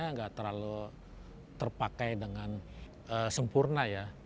nggak terlalu terpakai dengan sempurna ya